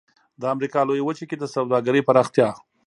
د امریکا لویې وچې کې د سوداګرۍ پراختیا.